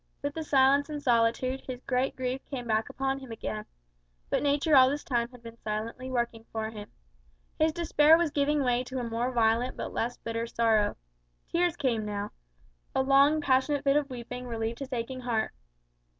With the silence and solitude, his great grief came back upon him again. But nature all this time had been silently working for him. His despair was giving way to a more violent but less bitter sorrow. Tears came now: a long, passionate fit of weeping relieved his aching heart.